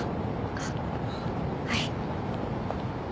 あっはい。